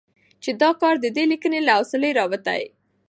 چې دا کار د دې ليکنې له حوصلې راوتې